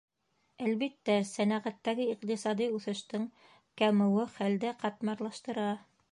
Әлбиттә, сәнәғәттәге иҡтисади үҫештең кәмеүе хәлде ҡатмарлаштыра.